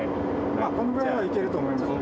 まあこのぐらいならいけると思いますよ。